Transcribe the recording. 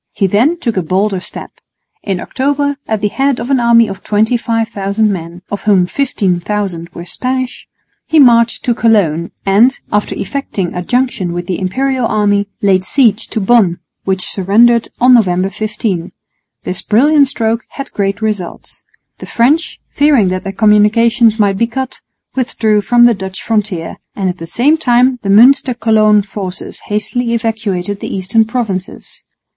He then took a bolder step. In October, at the head of an army of 25,000 men, of whom 15,000 were Spanish, he marched to Cologne and, after effecting a junction with the Imperial army, laid siege to Bonn, which surrendered on November 15. This brilliant stroke had great results. The French, fearing that their communications might be cut, withdrew from the Dutch frontier; and at the same time the Münster Cologne forces hastily evacuated the eastern provinces.